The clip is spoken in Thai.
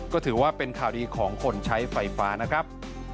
ก็ถือว่าเป็นข่าวดีของคนใช้ไฟฟ้านะครับ